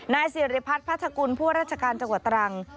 นายสิริพัฒน์พัทธกุลผู้ว่าราชการจังหวัดตรัง